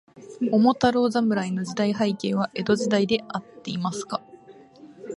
桃太郎侍の時代背景は、江戸時代であっていますか。